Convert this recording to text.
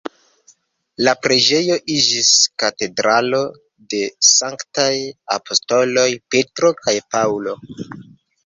La preĝejo iĝis Katedralo de sanktaj apostoloj Petro kaj Paŭlo.